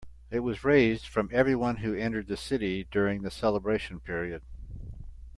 It was raised from everyone who entered the city during the celebration period.